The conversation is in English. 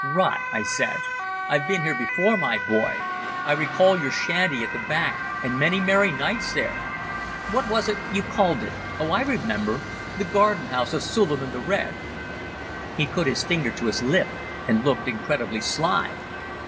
"Rot," I said; "I've been here before, my boy. I recall your shanty at the back and many merry nights there. What was it you called it? Oh, I remember—the Garden House of Suliman the Red." He put his finger to his lip and looked incredibly sly.